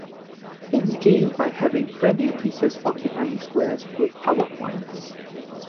It's gained by having friendly pieces occupying squares with power points.